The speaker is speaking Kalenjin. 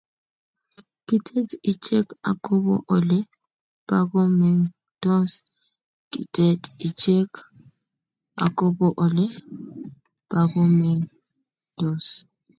Kitet ichek akopo ole pakomengtos Kitet ichek akopo ole pakomengtos